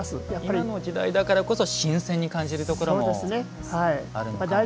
今の時代だからこそ新鮮に感じるところもあるのかもしれませんね。